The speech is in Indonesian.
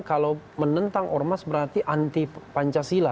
kalau menentang ormas berarti anti pancasila